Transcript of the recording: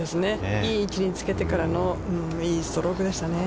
いい位置につけてからのいいストロークでしたね。